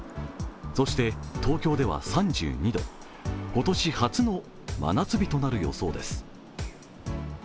そして東京では３２度、今年初の真夏日となる予想です。